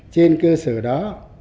trên cơ sở đó